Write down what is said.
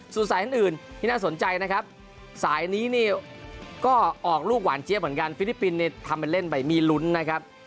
สู่สายเห็นอื่นที่น่าสนใจนะครับสายกินออกรูปหวานเจียบเหมือนกันฟิลิปปินส์เนี่ยทำแต่เล่นมีลุ้นนะครับ